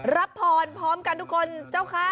รับพรพร้อมกันทุกคนเจ้าค่ะ